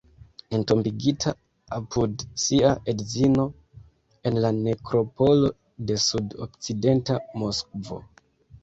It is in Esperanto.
Entombigita apud sia edzino en la nekropolo de sud-okcidenta Moskvo.